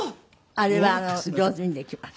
あれは上手にできます。